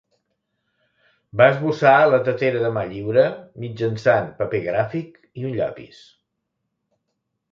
Va esbossar la tetera de mà lliure mitjançant paper gràfic i un llapis.